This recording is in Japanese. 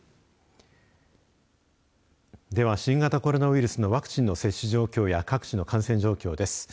では新型コロナウイルスのワクチンの接種状況や各地の感染状況です。